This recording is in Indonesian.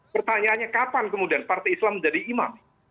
pertanyaannya kapan kemudian partai islam menjadi imam